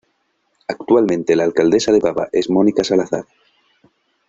Actualmente la Alcaldesa de Baba es Mónica Salazar.